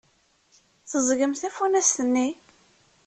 Teẓẓgem tafunast-nni.